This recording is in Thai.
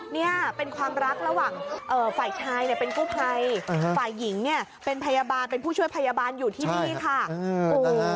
เนี่ยเป็นความรักระหว่างฝ่ายชายเนี่ยเป็นกู้ภัยฝ่ายหญิงเนี่ยเป็นพยาบาลเป็นผู้ช่วยพยาบาลอยู่ที่นี่ค่ะโอ้